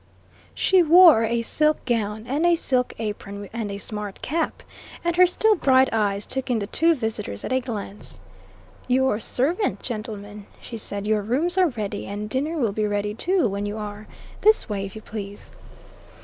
She wore a silk gown and a silk apron and a smart cap, and her still bright eyes took in the two visitors at a glance. "Your servant, gentlemen," she said. "Your rooms are ready, and dinner will be ready, too, when you are. This way, if you please."